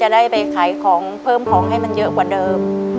ได้ไปขายของเพิ่มของให้มันเยอะกว่าเดิม